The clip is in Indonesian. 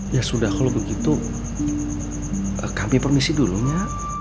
ya sudah kalo begitu kami permisi dulu ya